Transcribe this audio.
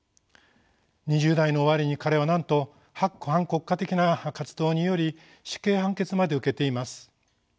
２０代の終わりに彼はなんと反国家的な活動により死刑判決まで受けています。